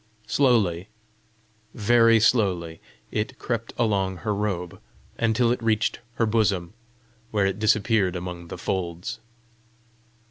Slowly, very slowly, it crept along her robe until it reached her bosom, where it disappeared among the folds.